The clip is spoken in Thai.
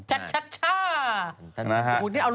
ชัชชา